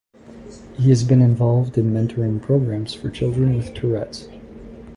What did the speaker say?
He has been involved in mentoring programs for children with Tourette's.